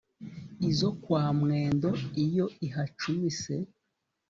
izo kwa mwendo, iyo ihacumise